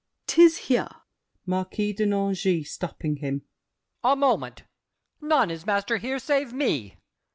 'Tis here! MARQUIS DE NANGIS (stopping him). A moment! None is master here Save me!